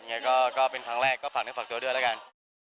อย่างนี้ก็เป็นครั้งแรกก็ฝากนึงฝากตัวด้วยแล้วกัน